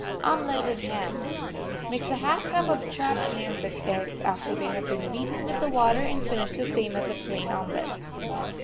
OMELET WITH HAM Mix a half cup of chopped ham with the eggs after they have been beaten with the water, and finish the same as a plain omelet.